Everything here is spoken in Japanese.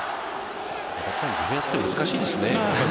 ディフェンスって難しいですね。